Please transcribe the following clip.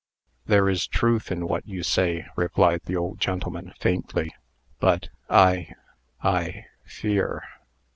"There is truth in what you say," replied the old gentleman, faintly; "but I I fear."